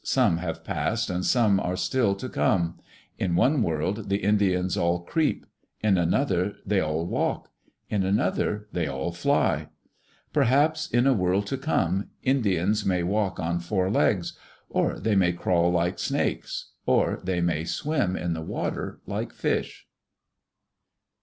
Some have passed and some are still to come. In one world the Indians all creep; in another they all walk; in another they all fly. Perhaps in a world to come, Indians may walk on four legs; or they may crawl like snakes; or they may swim in the water like fish.